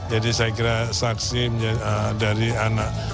jadi saya kira saksi dari anak